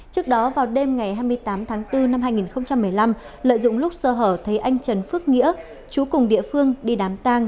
trước đó vào đêm ngày hai mươi tám tháng bốn năm hai nghìn một mươi năm lợi dụng lúc sơ hở thấy anh trần phước nghĩa chú cùng địa phương đi đám tang